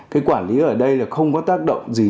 cái quản lý ở đây là không có tác động gì